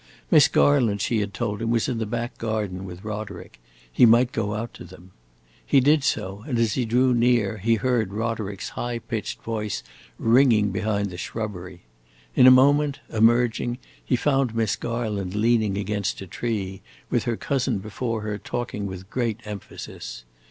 Miss Garland, she had told him, was in the back garden with Roderick: he might go out to them. He did so, and as he drew near he heard Roderick's high pitched voice ringing behind the shrubbery. In a moment, emerging, he found Miss Garland leaning against a tree, with her cousin before her talking with great emphasis.